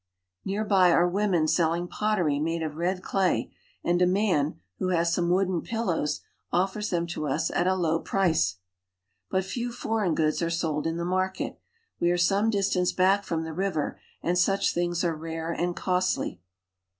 Near by are women selling pottery made of red clay, and a man, who has some wooden pillows, offers them to us at a low price. But few foreign goods are sold in the market. We are some distance back from the river, and such things are rare and costly.